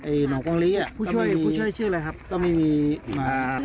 หนองกองลีอ่ะผู้ช่วยผู้ช่วยชื่ออะไรครับก็ไม่มีมา